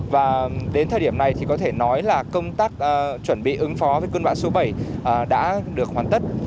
và đến thời điểm này thì có thể nói là công tác chuẩn bị ứng phó với cơn bão số bảy đã được hoàn tất